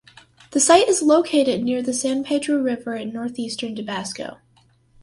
The site is located near the San Pedro River in northeastern Tabasco.